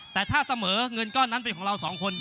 แต่ถ้าเสมอเงินก้อนนั้นเป็นของเราสองคน